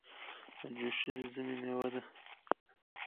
اوجوشي د ژمي مېوه ده.